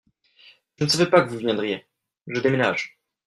Mais je ne savais pas que vous viendriez, je déménage.